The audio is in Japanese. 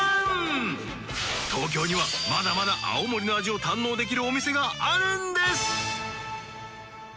東京にはまだまだ青森の味を堪能できるお店があるんです！